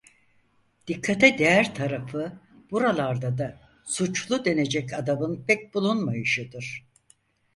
Dikkate değer tarafı buralarda da "suçlu" denecek adamın pek bulunmayışıdır.